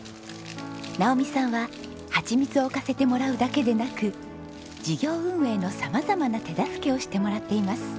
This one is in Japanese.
直美さんはハチミツを置かせてもらうだけでなく事業運営の様々な手助けをしてもらっています。